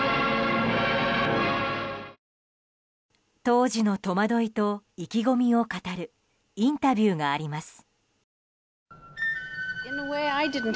当時の戸惑いと意気込みを語るインタビューがあります。